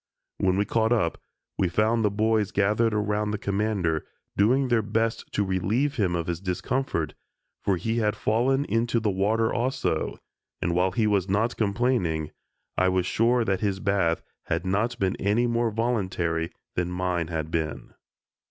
When we caught up, we found the boys gathered around the Commander, doing their best to relieve him of his discomfort, for he had fallen into the water, also, and while he was not complaining, I was sure that his bath had not been any more voluntary than mine had been.